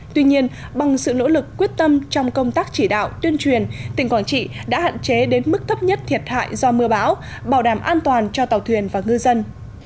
tuy nhiên bằng sự nỗ lực quyết tâm trong công tác chỉ đạo tuyên truyền tỉnh quảng trị đã hạn chế đến mức thấp nhất thiệt hại do mưa bão bảo đảm an toàn cho tàu thuyền và ngư dân